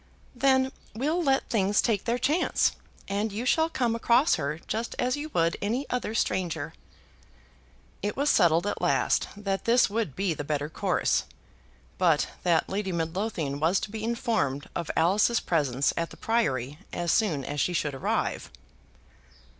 "Then we'll let things take their chance, and you shall come across her just as you would any other stranger." It was settled at last that this would be the better course, but that Lady Midlothian was to be informed of Alice's presence at the Priory as soon as she should arrive.